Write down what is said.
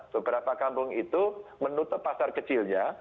beberapa kampung itu menutup pasar kecilnya